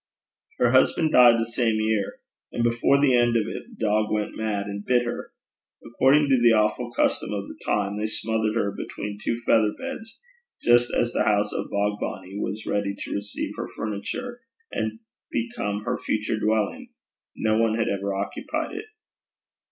Her husband died the same year, and before the end of it the dog went mad, and bit her. According to the awful custom of the time they smothered her between two feather beds, just as the house of Bogbonnie was ready to receive her furniture, and become her future dwelling. No one had ever occupied it.